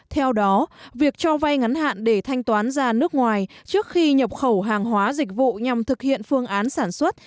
theo đó việc cho vay ngắn hạn để thanh toán ra nước ngoài trước khi nhập khẩu hàng hóa dịch vụ nhằm thực hiện phương án sản xuất